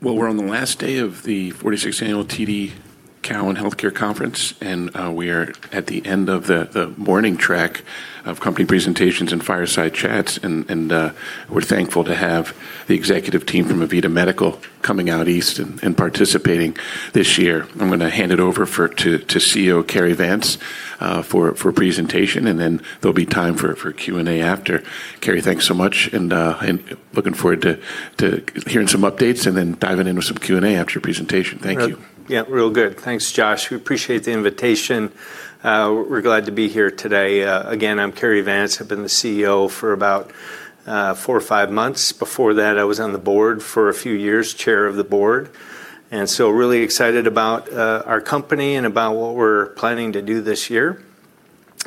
Well, we're on the last day of the 46th Annual TD Cowen Healthcare Conference, we are at the end of the morning track of company presentations and fireside chats. We're thankful to have the executive team from AVITA Medical coming out east and participating this year. I'm gonna hand it over to CEO Cary Vance for presentation, and then there'll be time for Q&A after. Cary, thanks so much, and looking forward to hearing some updates and then diving in with some Q&A after your presentation. Thank you. Yeah. Real good. Thanks, Josh. We appreciate the invitation. We're glad to be here today. Again, I'm Cary Vance. I've been the CEO for about 4 or 5 months. Before that, I was on the board for a few years, chair of the board. Really excited about our company and about what we're planning to do this year.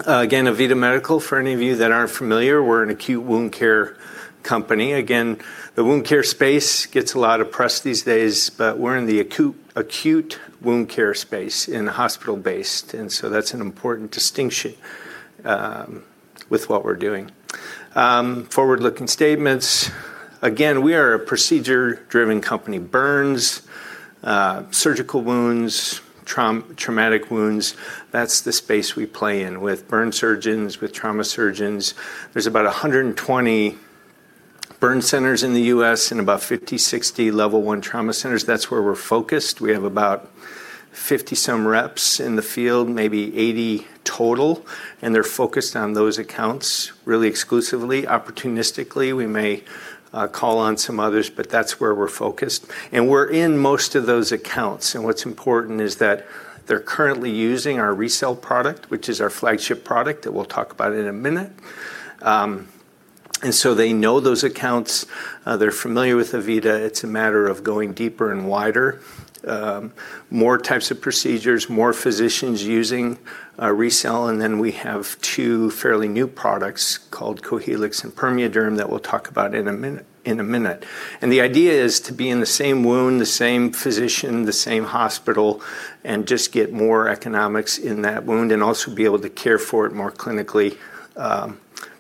Again, AVITA Medical, for any of you that aren't familiar, we're an acute wound care company. Again, the wound care space gets a lot of press these days, but we're in the acute wound care space in the hospital-based. That's an important distinction with what we're doing. Forward-looking statements. Again, we are a procedure-driven company. Burns, surgical wounds, traumatic wounds, that's the space we play in with burn surgeons, with trauma surgeons. There's about 120 burn centers in the U.S. and about 50, 60 level one trauma centers. That's where we're focused. We have about 50 some reps in the field, maybe 80 total. They're focused on those accounts really exclusively. Opportunistically, we may call on some others. That's where we're focused. We're in most of those accounts. What's important is that they're currently using our RECELL product, which is our flagship product that we'll talk about in a minute. They know those accounts. They're familiar with AVITA. It's a matter of going deeper and wider, more types of procedures, more physicians using RECELL. We have two fairly new products called Cohealyx and PermeaDerm that we'll talk about in a minute. The idea is to be in the same wound, the same physician, the same hospital, and just get more economics in that wound and also be able to care for it more clinically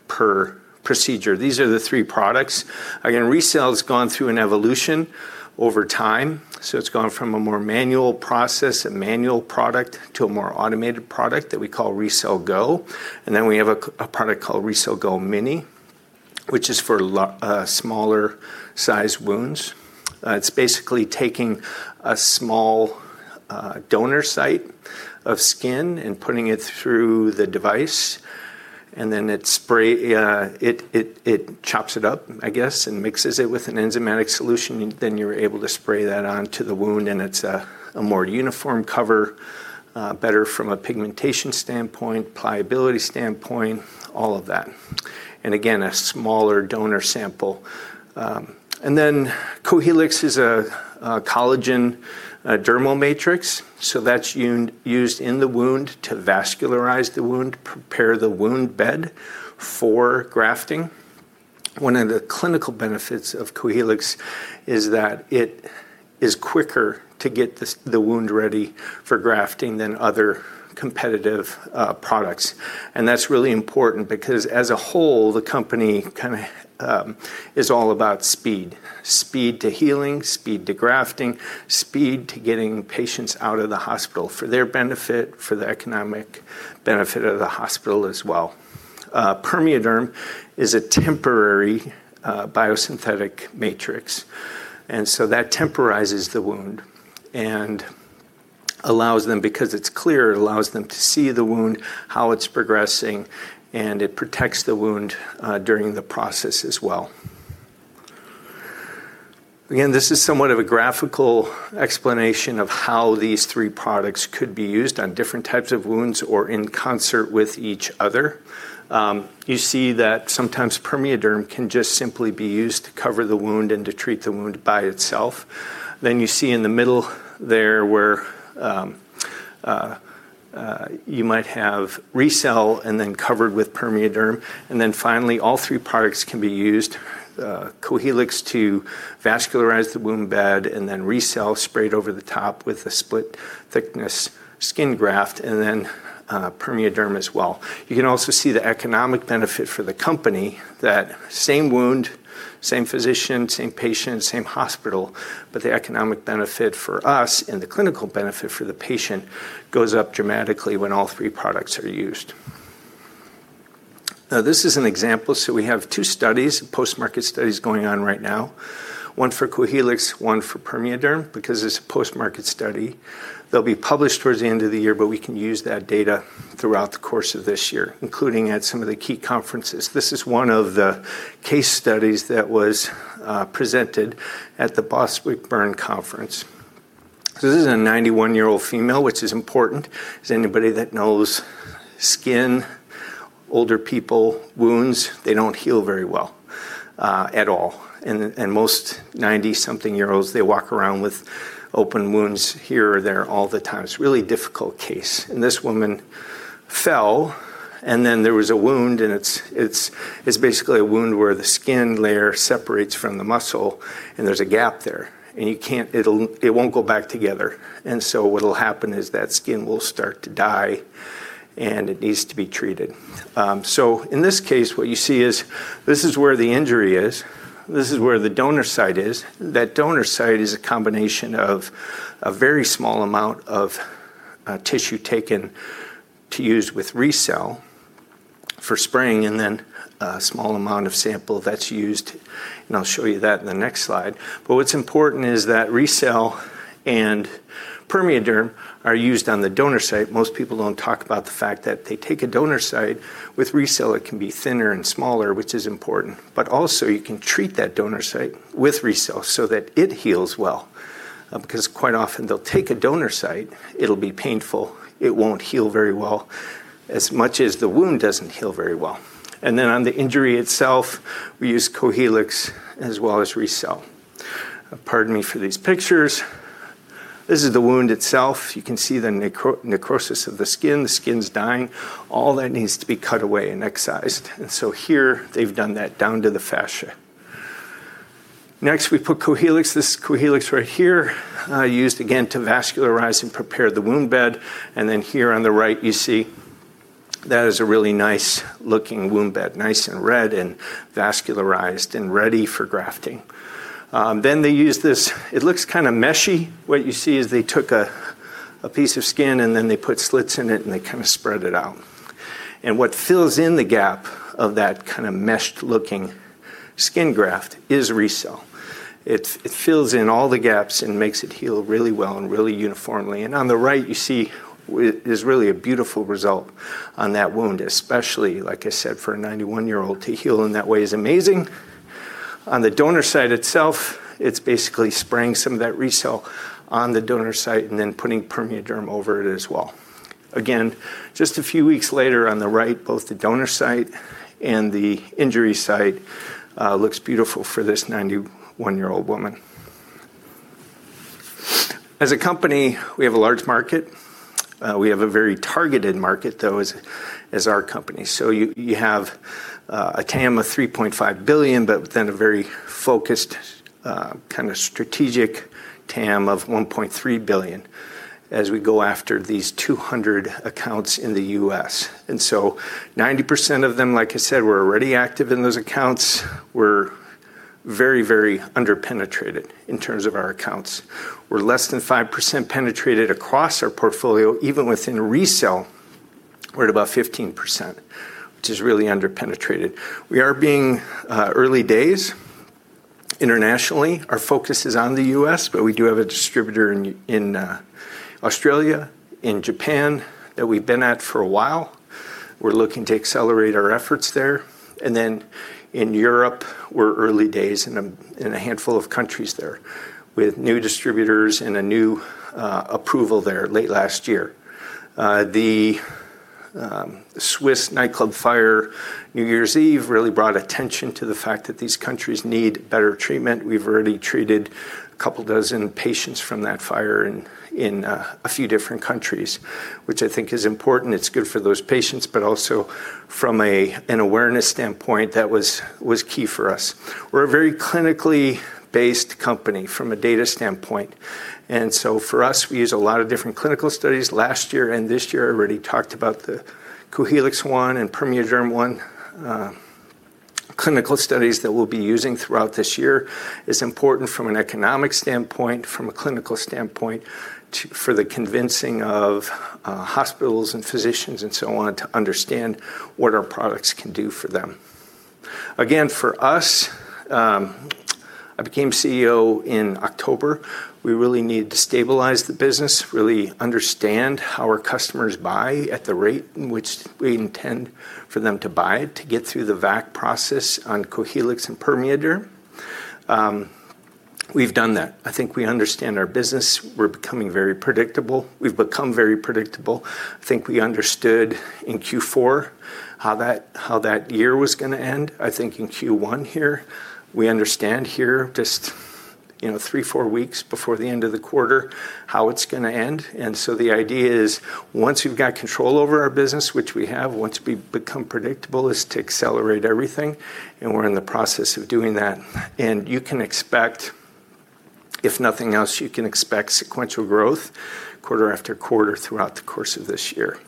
per procedure. These are the three products. Again, RECELL's gone through an evolution over time, so it's gone from a more manual process and manual product to a more automated product that we call RECELL GO. Then we have a product called RECELL GO mini, which is for smaller size wounds. It's basically taking a small donor site of skin and putting it through the device, and then it chops it up, I guess, and mixes it with an enzymatic solution. You're able to spray that onto the wound, and it's a more uniform cover, better from a pigmentation standpoint, pliability standpoint, all of that. Again, a smaller donor sample. Cohealyx is a collagen dermal matrix. That's used in the wound to vascularize the wound, prepare the wound bed for grafting. One of the clinical benefits of Cohealyx is that it is quicker to get the wound ready for grafting than other competitive products. That's really important because as a whole, the company kinda is all about speed. Speed to healing, speed to grafting, speed to getting patients out of the hospital for their benefit, for the economic benefit of the hospital as well. PermeaDerm is a temporary biosynthetic matrix, and so that temporizes the wound and allows them to see the wound, how it's progressing, and it protects the wound during the process as well. Again, this is somewhat of a graphical explanation of how these three products could be used on different types of wounds or in concert with each other. You see that sometimes PermeaDerm can just simply be used to cover the wound and to treat the wound by itself. You see in the middle there where you might have RECELL and then covered with PermeaDerm. Finally, all three products can be used, Cohealyx to vascularize the wound bed and then RECELL sprayed over the top with a split-thickness skin graft and then PermeaDerm as well. You can also see the economic benefit for the company, that same wound, same physician, same patient, same hospital, but the economic benefit for us and the clinical benefit for the patient goes up dramatically when all three products are used. This is an example. We have two studies, post-market studies going on right now, one for Cohealyx, one for PermeaDerm. It's a post-market study, they'll be published towards the end of the year, but we can use that data throughout the course of this year, including at some of the key conferences. This is 1 of the case studies that was presented at the Boswick Burn Conference. This is a 91-year-old female, which is important, as anybody that knows skin, older people, wounds, they don't heal very well at all. Most 90-something year olds, they walk around with open wounds here or there all the time. It's a really difficult case. This woman fell, and then there was a wound, and it's basically a wound where the skin layer separates from the muscle, and there's a gap there. You can't it won't go back together. What'll happen is that skin will start to die, and it needs to be treated. In this case, what you see is this is where the injury is. This is where the donor site is. That donor site is a combination of a very small amount of tissue taken to use with RECELL for spraying and then a small amount of sample that's used, and I'll show you that in the next slide. What's important is that RECELL and PermeaDerm are used on the donor site. Most people don't talk about the fact that they take a donor site with RECELL. It can be thinner and smaller, which is important. Also you can treat that donor site with RECELL so that it heals well. Because quite often they'll take a donor site, it'll be painful, it won't heal very well as much as the wound doesn't heal very well. On the injury itself, we use Cohealyx as well as RECELL. Pardon me for these pictures. This is the wound itself. You can see the necrosis of the skin. The skin's dying. All that needs to be cut away and excised. Here they've done that down to the fascia. Next, we put Cohealyx. This Cohealyx right here, used again to vascularize and prepare the wound bed. Then here on the right, you see that is a really nice-looking wound bed, nice and red and vascularized and ready for grafting. Then they use this... It looks kinda meshy. What you see is they took a piece of skin, and then they put slits in it, and they kinda spread it out. What fills in the gap of that kinda meshed-looking skin graft is RECELL. It fills in all the gaps and makes it heal really well and really uniformly. On the right you see it is really a beautiful result on that wound, especially, like I said, for a 91-year-old to heal in that way is amazing. On the donor site itself, it's basically spraying some of that RECELL on the donor site and then putting PermeaDerm over it as well. Again, just a few weeks later on the right, both the donor site and the injury site, looks beautiful for this 91-year-old woman. As a company, we have a large market. We have a very targeted market, though, as our company. You have a TAM of $3.5 billion, but within a very focused, kinda strategic TAM of $1.3 billion as we go after these 200 accounts in the U.S. 90% of them, like I said, we're already active in those accounts. We're very under-penetrated in terms of our accounts. We're less than 5% penetrated across our portfolio. Even within RECELL, we're at about 15%, which is really under-penetrated. We are early days internationally. Our focus is on the U.S., but we do have a distributor in Australia, in Japan that we've been at for a while. We're looking to accelerate our efforts there. Then in Europe, we're early days in a handful of countries there with new distributors and a new approval there late last year. The Swiss nightclub fire New Year's Eve really brought attention to the fact that these countries need better treatment. We've already treated a couple dozen patients from that fire in a few different countries, which I think is important. It's good for those patients, but also from an awareness standpoint, that was key for us. We're a very clinically based company from a data standpoint, and so for us, we use a lot of different clinical studies. Last year and this year, I already talked about the Cohealyx-I and PermeaDerm-I clinical studies that we'll be using throughout this year. It's important from an economic standpoint, from a clinical standpoint for the convincing of hospitals and physicians and so on to understand what our products can do for them. Again, for us, I became CEO in October. We really needed to stabilize the business, really understand how our customers buy at the rate in which we intend for them to buy to get through the VAC process on Cohealyx and PermeaDerm. We've done that. I think we understand our business. We're becoming very predictable. We've become very predictable. I think we understood in Q4 how that year was gonna end. I think in Q1 here, we understand here just, you know, three, four weeks before the end of the quarter how it's gonna end. So the idea is once we've got control over our business, which we have, once we become predictable, is to accelerate everything, and we're in the process of doing that. You can expect, if nothing else, you can expect sequential growth quarter after quarter throughout the course of this year.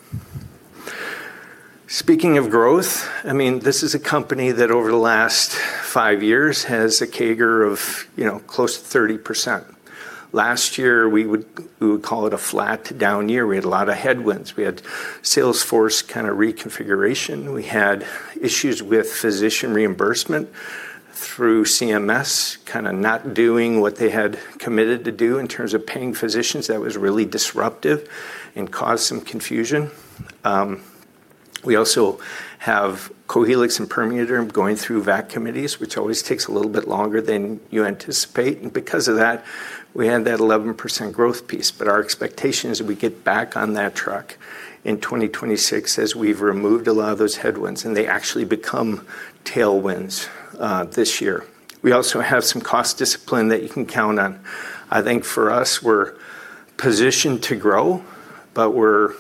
Speaking of growth, I mean, this is a company that over the last five years has a CAGR of, you know, close to 30%. Last year, we would call it a flat to down year. We had a lot of headwinds. We had Salesforce kinda reconfiguration. We had issues with physician reimbursement through CMS kinda not doing what they had committed to do in terms of paying physicians. That was really disruptive and caused some confusion. We also have Cohealyx and PermeaDerm going through VAC committees, which always takes a little bit longer than you anticipate. Because of that, we had that 11% growth piece. Our expectation is we get back on that track in 2026 as we've removed a lot of those headwinds, and they actually become tailwinds this year. We also have some cost discipline that you can count on. I think for us, we're positioned to grow, but we're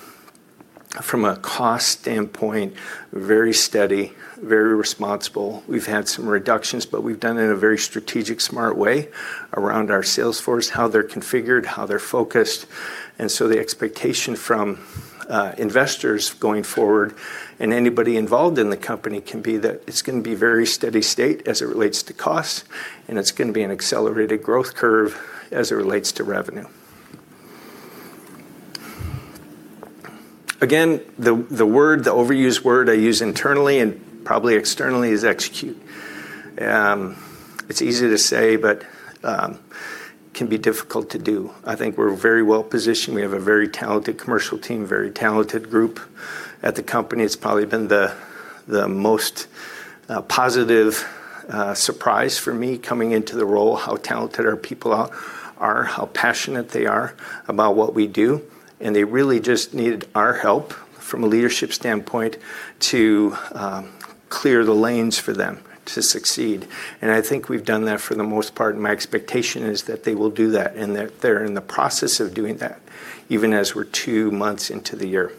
from a cost standpoint, very steady, very responsible. We've had some reductions, but we've done it in a very strategic, smart way around our Salesforce, how they're configured, how they're focused. The expectation from investors going forward and anybody involved in the company can be that it's gonna be very steady state as it relates to cost, and it's gonna be an accelerated growth curve as it relates to revenue. Again, the word, the overused word I use internally and probably externally is execute. It's easy to say, but can be difficult to do. I think we're very well-positioned. We have a very talented commercial team, very talented group at the company. It's probably been the most positive surprise for me coming into the role, how talented our people are, how passionate they are about what we do, and they really just needed our help from a leadership standpoint to clear the lanes for them to succeed. I think we've done that for the most part, and my expectation is that they will do that, and they're in the process of doing that even as we're two months into the year.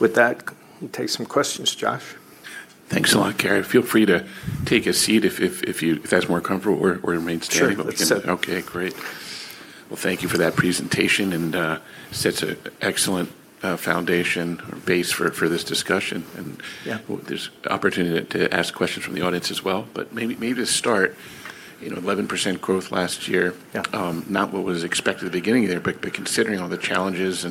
With that, we'll take some questions. Josh. Thanks a lot, Cary. Feel free to take a seat if that's more comfortable or remain standing. Sure. Let's sit. Okay, great. Well, thank you for that presentation and, sets a excellent foundation or base for this discussion. Yeah There's opportunity to ask questions from the audience as well. Maybe to start, you know, 11% growth last year. Yeah. Not what was expected at the beginning of the year, but considering all the challenges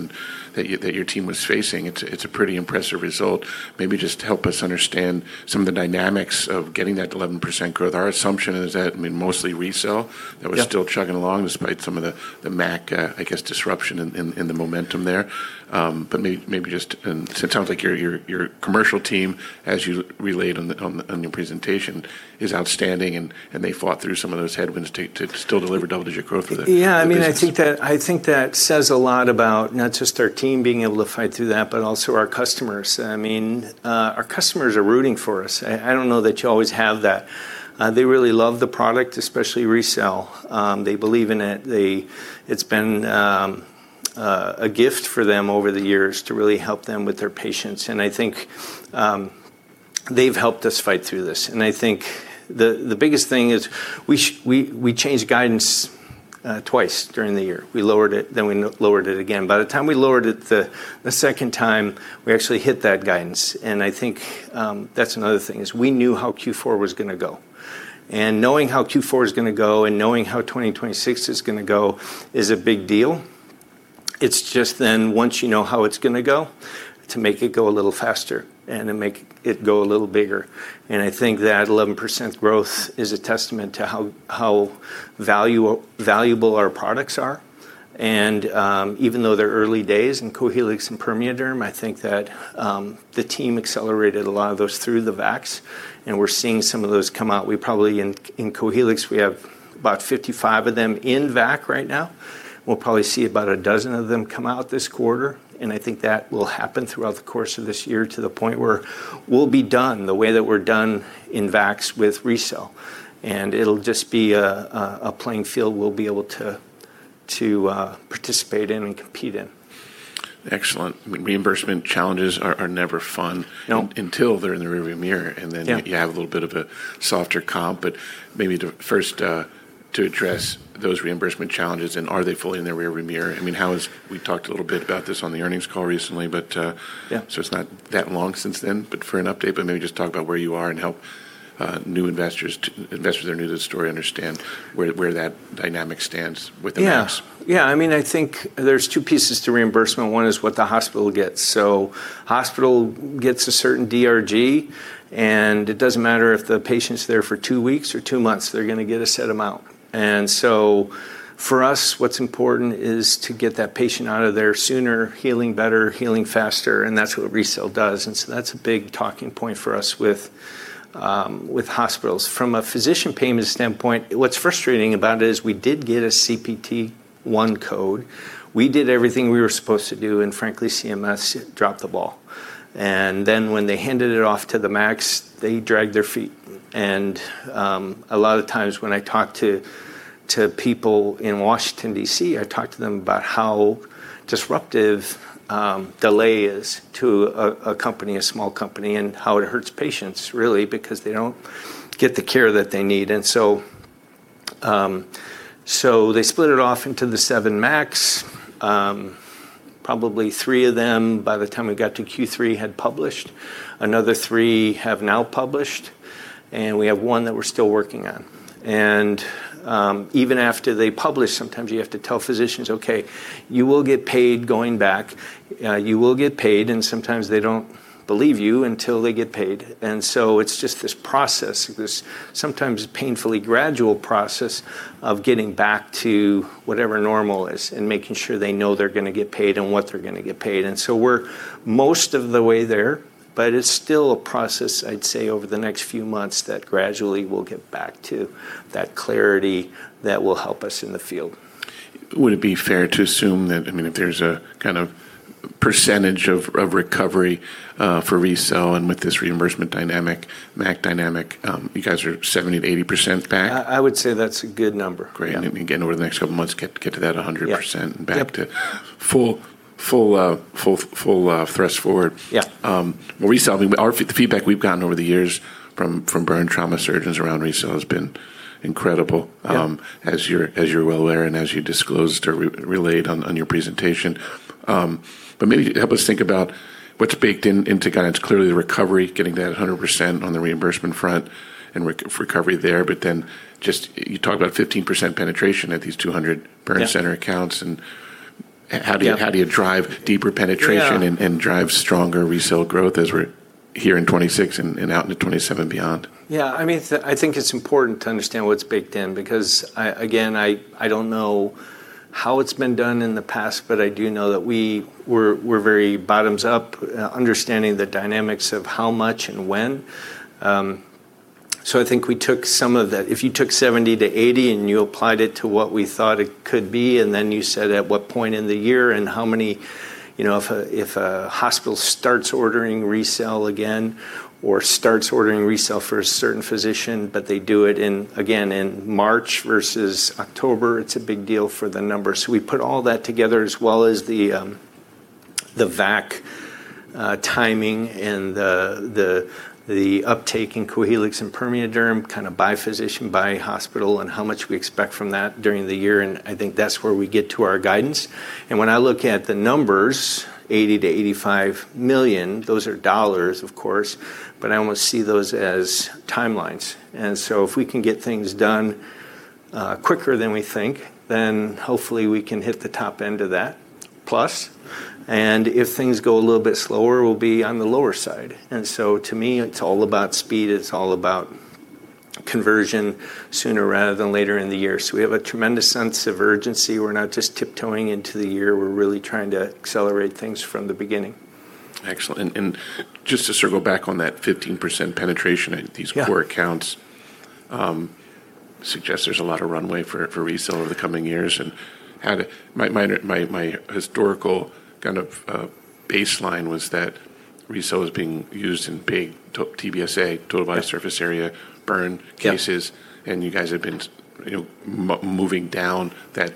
that your team was facing, it's a pretty impressive result. Maybe just help us understand some of the dynamics of getting that 11% growth. Our assumption is that, I mean, mostly resell- Yeah That was still chugging along despite some of the MAC, I guess, disruption in the momentum there. It sounds like your commercial team, as you relayed on your presentation, is outstanding and they fought through some of those headwinds to still deliver double-digit growth for the business. Yeah. I mean, I think that, I think that says a lot about not just our team being able to fight through that, but also our customers. I mean, our customers are rooting for us. I don't know that you always have that. They really love the product, especially RECELL. They believe in it. It's been a gift for them over the years to really help them with their patients. I think they've helped us fight through this. I think the biggest thing is we changed guidance twice during the year. We lowered it, then we lowered it again. By the time we lowered it the second time, we actually hit that guidance. I think that's another thing, is we knew how Q4 was gonna go. Knowing how Q4 is going to go and knowing how 2026 is going to go is a big deal. Once you know how it's going to go, to make it go a little faster and to make it go a little bigger. I think that 11% growth is a testament to how valuable our products are. Even though they're early days in Cohealyx and PermeaDerm, I think that the team accelerated a lot of those through the VACs, and we're seeing some of those come out. We probably in Cohealyx, we have about 55 of them in VAC right now. We'll probably see about 12 of them come out this quarter, and I think that will happen throughout the course of this year to the point where we'll be done the way that we're done in VACs with RECELL. It'll just be a playing field we'll be able to participate in and compete in. Excellent. Reimbursement challenges are never fun. No Until they're in the rearview mirror, and then- Yeah You have a little bit of a softer comp. Maybe to first address those reimbursement challenges. Are they fully in their rearview mirror? I mean, we talked a little bit about this on the earnings call recently. Yeah So it's not that long since then, for an update, maybe just talk about where you are and how investors that are new to the story understand where that dynamic stands with the VACs. Yeah. Yeah. I mean, I think there's two pieces to reimbursement. One is what the hospital gets. Hospital gets a certain DRG, and it doesn't matter if the patient's there for two weeks or two months, they're gonna get a set amount. For us, what's important is to get that patient out of there sooner, healing better, healing faster, and that's what RECELL does. That's a big talking point for us with hospitals. From a physician payment standpoint, what's frustrating about it is we did get a CPT I code. We did everything we were supposed to do, and frankly, CMS dropped the ball. When they handed it off to the MACs, they dragged their feet. A lot of times when I talk to people in Washington, D.C., I talk to them about how disruptive delay is to a company, a small company, and how it hurts patients really because they don't get the care that they need. They split it off into the seven MACs. Probably three of them by the time we got to Q3 had published. Another three have now published, and we have one that we're still working on. Even after they publish, sometimes you have to tell physicians, "Okay, you will get paid going back. You will get paid," and sometimes they don't believe you until they get paid. It's just this process, this sometimes painfully gradual process of getting back to whatever normal is and making sure they know they're gonna get paid and what they're gonna get paid. We're most of the way there, but it's still a process, I'd say, over the next few months that gradually we'll get back to that clarity that will help us in the field. Would it be fair to assume that, I mean, if there's a kind of percentage of recovery for RECELL and with this reimbursement dynamic, MAC dynamic, you guys are 70%-80% back? I would say that's a good number. Great. Again, over the next couple months, get to that 100%. Yeah And back to full thrust forward. Yeah. RECELL, the feedback we've gotten over the years from burn trauma surgeons around RECELL has been incredible. Yeah As you're well aware and as you disclosed or relayed on your presentation. Maybe help us think about what's baked into guidance. Clearly, the recovery, getting that 100% on the reimbursement front and recovery there, but then just you talk about 15% penetration at these 200 burn center accounts. How do you drive deeper penetration? Yeah And drive stronger RECELL growth as we're here in 2026 and out into 2027 and beyond? Yeah, I mean, I think it's important to understand what's baked in because I, again, I don't know how it's been done in the past, but I do know that we're very bottoms up, understanding the dynamics of how much and when. I think we took some of the. If you took 70-80 and you applied it to what we thought it could be, and then you said at what point in the year and how many, you know, if a hospital starts ordering RECELL again or starts ordering RECELL for a certain physician, but they do it in, again, in March versus October, it's a big deal for the numbers. We put all that together as well as the VAC timing and the uptake in Cohealyx and PermeaDerm kind of by physician, by hospital, and how much we expect from that during the year. I think that's where we get to our guidance. When I look at the numbers, $80 million-$85 million, those are dollars, of course, but I almost see those as timelines. If we can get things done quicker than we think, then hopefully we can hit the top end of that plus. If things go a little bit slower, we'll be on the lower side. To me, it's all about speed, it's all about conversion sooner rather than later in the year. We have a tremendous sense of urgency. We're not just tiptoeing into the year. We're really trying to accelerate things from the beginning. Excellent. Just to circle back on that 15% penetration in these- Yeah Core accounts, suggests there's a lot of runway for RECELL over the coming years. My historical kind of baseline was that RECELL was being used in big TBSA, total body surface area burn cases. Yeah. You guys have been you know, moving down that.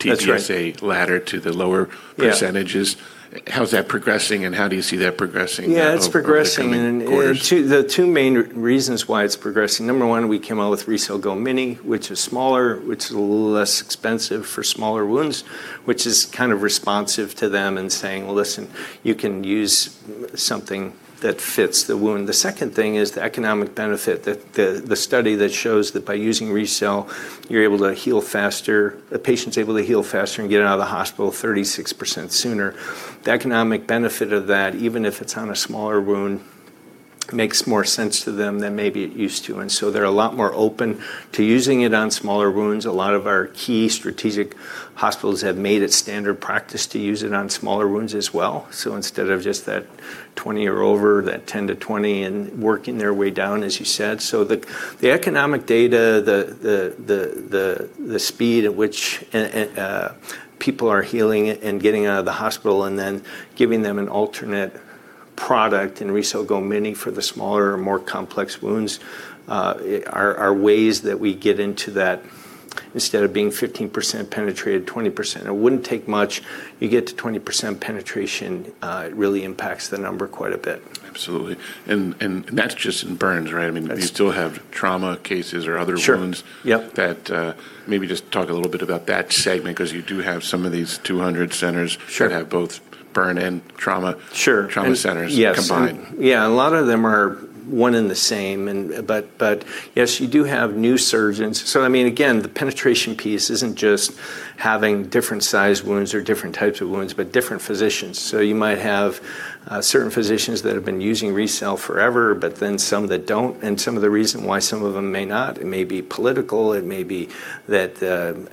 That's right. TBSA ladder to the lower percentages. Yeah. How's that progressing, and how do you see that progressing- Yeah, it's progressing. Over the coming quarters? There are the two main reasons why it's progressing. Number one, we came out with RECELL GO mini, which is smaller, which is a little less expensive for smaller wounds, which is kind of responsive to them and saying, "Well, listen, you can use something that fits the wound." The second thing is the economic benefit. The study that shows that by using RECELL, you're able to heal faster. A patient's able to heal faster and get out of the hospital 36% sooner. The economic benefit of that, even if it's on a smaller wound, makes more sense to them than maybe it used to. They're a lot more open to using it on smaller wounds. A lot of our key strategic hospitals have made it standard practice to use it on smaller wounds as well. Instead of just that 20% or over, that 10%-20% and working their way down, as you said. The economic data, the speed at which people are healing and getting out of the hospital and then giving them an alternate product in RECELL GO mini for the smaller or more complex wounds, are ways that we get into that instead of being 15% penetrated, 20%. It wouldn't take much. You get to 20% penetration, it really impacts the number quite a bit. Absolutely. That's just in burns, right? I mean... That's- You still have trauma cases or other wounds. Sure. Yep. That, maybe just talk a little bit about that segment, 'cause you do have some of these 200 centers. Sure That have both burn and trauma- Sure Trauma centers combined. Yes. Yeah, a lot of them are one and the same and but yes, you do have new surgeons. I mean, again, the penetration piece isn't just having different sized wounds or different types of wounds, but different physicians. You might have certain physicians that have been using RECELL forever, but then some that don't, and some of the reason why some of them may not, it may be political, it may be that,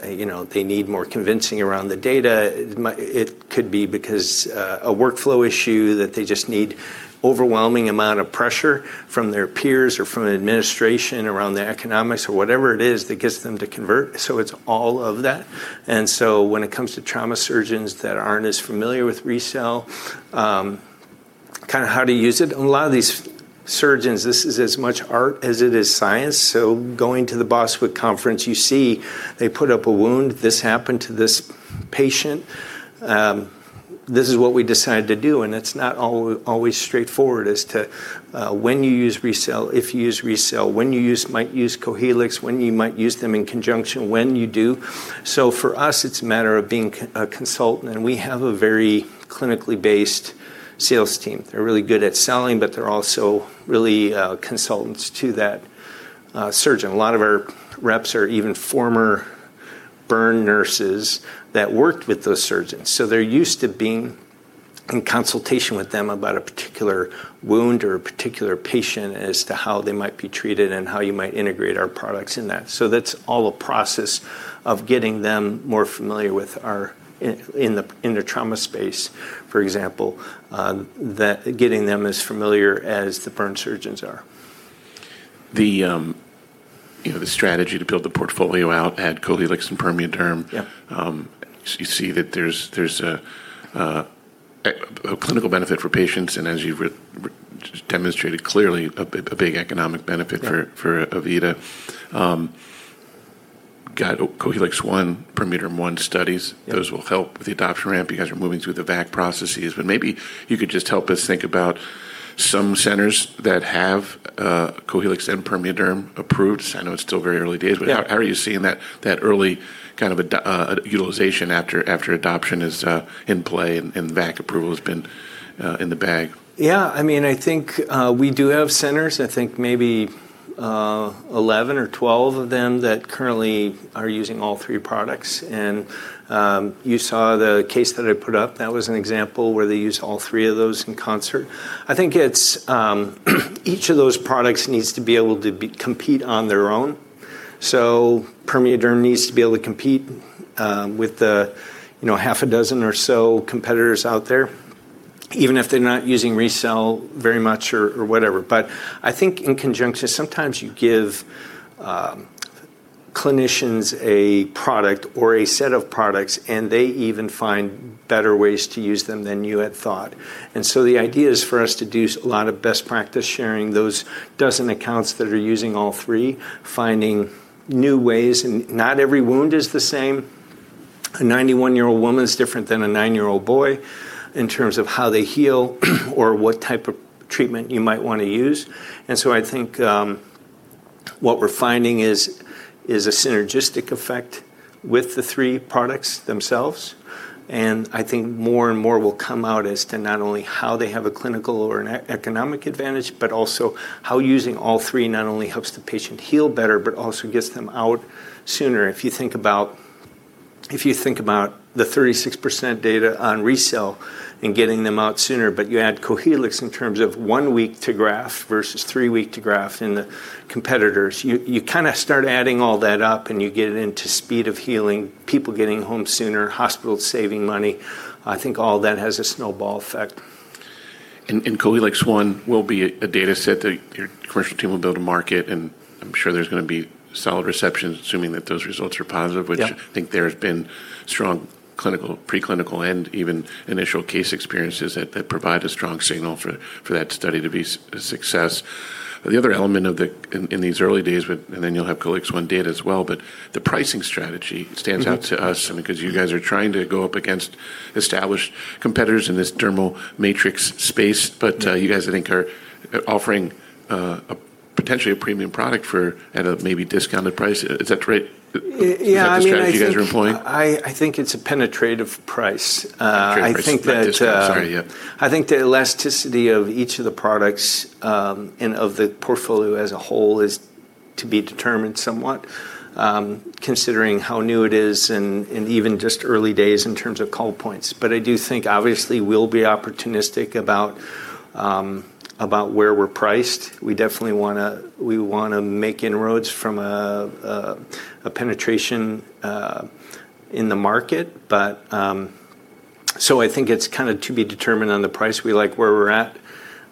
you know, they need more convincing around the data. It could be because a workflow issue that they just need overwhelming amount of pressure from their peers or from an administration around the economics or whatever it is that gets them to convert. It's all of that. When it comes to trauma surgeons that aren't as familiar with RECELL, kinda how to use it. A lot of these surgeons, this is as much art as it is science. Going to the Boswick Conference, you see they put up a wound. This happened to this patient. This is what we decided to do, and it's not always straightforward as to when you use RECELL, if you use RECELL, when you might use Cohealyx, when you might use them in conjunction, when you do. For us, it's a matter of being a consultant, and we have a very clinically based sales team. They're really good at selling, but they're also really consultants to that surgeon. A lot of our reps are even former burn nurses that worked with those surgeons. They're used to being in consultation with them about a particular wound or a particular patient as to how they might be treated and how you might integrate our products in that. That's all a process of getting them more familiar in the trauma space, for example, that getting them as familiar as the burn surgeons are. The, you know, the strategy to build the portfolio out, add Cohealyx and PermeaDerm. Yeah. You see that there's a clinical benefit for patients, and as you've demonstrated clearly a big economic benefit for. Yeah For AVITA. got Cohealyx-I, PermeaDerm-I studies. Yeah. Those will help with the adoption ramp. You guys are moving through the VAC processes, but maybe you could just help us think about some centers that have Cohealyx and PermeaDerm approved. I know it's still very early days. Yeah How are you seeing that early kind of utilization after adoption is in play and VAC approval has been in the bag? Yeah, I mean, I think, we do have centers. I think maybe 11 or 12 of them that currently are using all three products. You saw the case that I put up. That was an example where they use all three of those in concert. I think it's, each of those products needs to be able to compete on their own. PermeaDerm needs to be able to compete with the, you know, half a dozen or so competitors out there, even if they're not using RECELL very much or whatever. I think in conjunction, sometimes you give clinicians a product or a set of products, and they even find better ways to use them than you had thought. The idea is for us to do a lot of best practice sharing, those dozen accounts that are using all three, finding new ways. Not every wound is the same. A 91-year-old woman is different than a nine-year-old boy in terms of how they heal or what type of treatment you might wanna use. I think what we're finding is a synergistic effect with the three products themselves. I think more and more will come out as to not only how they have a clinical or an economic advantage, but also how using all three not only helps the patient heal better, but also gets them out sooner. If you think about the 36% data on RECELL and getting them out sooner, you add Cohealyx in terms of one week to graft versus three week to graft in the competitors, you kinda start adding all that up and you get it into speed of healing, people getting home sooner, hospitals saving money. I think all that has a snowball effect. Cohealyx-I will be a data set that your commercial team will build a market, and I'm sure there's gonna be solid reception, assuming that those results are positive. Yeah. Which I think there has been strong clinical, preclinical, and even initial case experiences that provide a strong signal for that study to be a success. In these early days, you'll have Cohealyx-I data as well, but the pricing strategy stands out to us. Mm-hmm. I mean, 'cause you guys are trying to go up against established competitors in this dermal matrix space. Mm. You guys, I think, are offering, a potentially a premium product for at a maybe discounted price. Is that right? Yeah, I mean. Is that the strategy you guys are employing? I think it's a penetrative price. Penetrative price- I think that. Price point. Sorry, yeah. I think the elasticity of each of the products, and of the portfolio as a whole is to be determined somewhat, considering how new it is and even just early days in terms of call points. I do think obviously we'll be opportunistic about where we're priced. We definitely wanna, we wanna make inroads from a penetration, in the market. I think it's kinda to be determined on the price we like where we're at,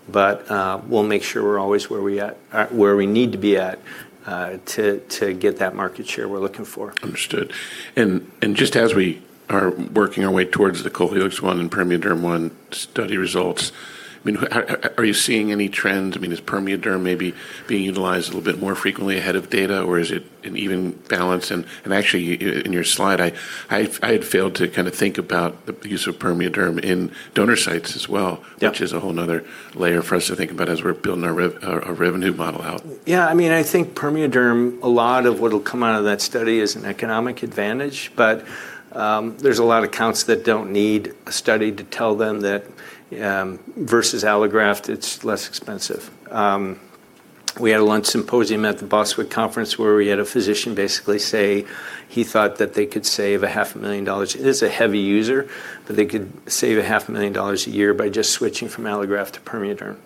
but, we'll make sure we're always where we at, where we need to be at, to get that market share we're looking for. Understood. Just as we are working our way towards the Cohealyx-I and PermeaDerm-I study results, I mean, are you seeing any trends? I mean, is PermeaDerm maybe being utilized a little bit more frequently ahead of data, or is it an even balance? Actually in your slide, I had failed to kinda think about the use of PermeaDerm in donor sites as well. Yeah. Which is a whole another layer for us to think about as we're building our revenue model out. I mean, I think PermeaDerm, a lot of what'll come out of that study is an economic advantage. There's a lot of counts that don't need a study to tell them that versus allograft, it's less expensive. We had a lunch symposium at the Boswick Conference where we had a physician basically say he thought that they could save a half a million dollars. It is a heavy user, but they could save a half a million dollars a year by just switching from allograft to PermeaDerm.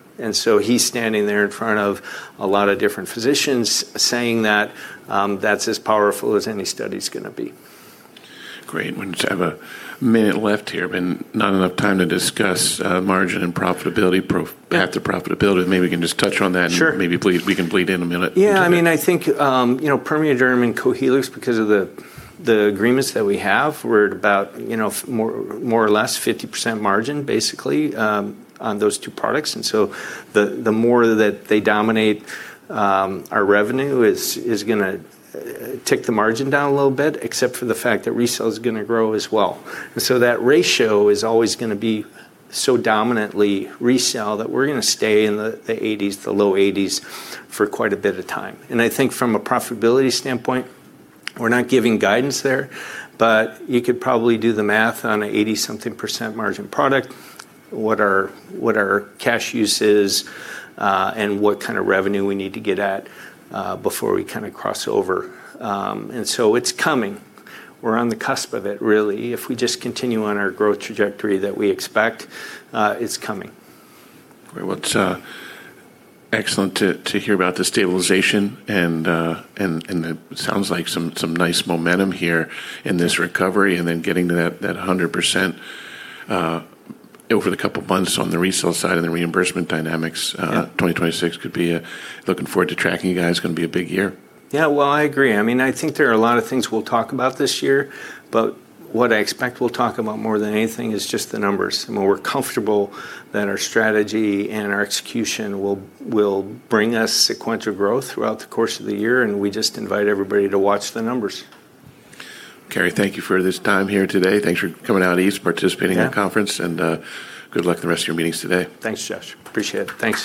He's standing there in front of a lot of different physicians saying that's as powerful as any study's gonna be. Great. We just have a minute left here. I mean, not enough time to discuss margin and profitability. Yeah. Path to profitability. Maybe we can just touch on that- Sure. Maybe please, we can bleed in a minute if we can. Yeah. I mean, I think, you know, PermeaDerm and Cohealyx, because of the agreements that we have, we're at about, you know, more or less 50% margin basically on those two products. The more that they dominate, our revenue is gonna take the margin down a little bit, except for the fact that RECELL is gonna grow as well. That ratio is always gonna be so dominantly RECELL that we're gonna stay in the 80s, the low 80s for quite a bit of time. I think from a profitability standpoint, we're not giving guidance there, but you could probably do the math on an 80-something% margin product, what our cash use is, and what kind of revenue we need to get at before we kinda cross over. It's coming. We're on the cusp of it, really. If we just continue on our growth trajectory that we expect, it's coming. Well, it's excellent to hear about the stabilization and it sounds like some nice momentum here in this recovery, and then getting to that 100% over the couple of months on the RECELL side and the reimbursement dynamics. Yeah. 2026 could be. Looking forward to tracking you guys. It's gonna be a big year. Yeah. Well, I agree. I mean, I think there are a lot of things we'll talk about this year, but what I expect we'll talk about more than anything is just the numbers, and we're comfortable that our strategy and our execution will bring us sequential growth throughout the course of the year, and we just invite everybody to watch the numbers. Cary, thank you for this time here today. Thanks for coming out east, participating. Yeah. In the conference, and good luck with the rest of your meetings today. Thanks, Josh. Appreciate it. Thanks.